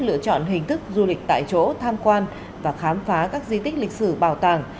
lựa chọn hình thức du lịch tại chỗ tham quan và khám phá các di tích lịch sử bảo tàng